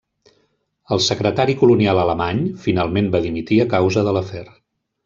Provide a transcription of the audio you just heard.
El secretari colonial alemany finalment va dimitir a causa de l'afer.